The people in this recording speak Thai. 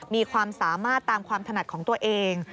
มีความสามารถตามความถนัดของตัวเอง